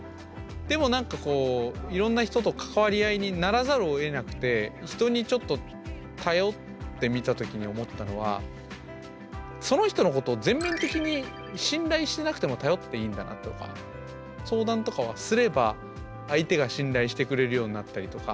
でもなんかこういろんな人と関わり合いにならざるをえなくて人にちょっと頼ってみた時に思ったのはその人のことを全面的に相談とかはすれば相手が信頼してくれるようになったりとか。